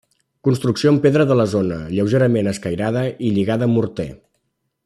Construcció amb pedra de la zona, lleugerament escairada i lligada amb morter.